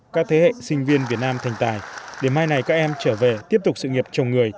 các thế hệ sinh viên việt nam thành tài để mai này các em trở về tiếp tục sự nghiệp chồng người